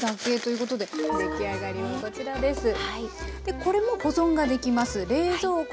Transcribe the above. これも保存ができます。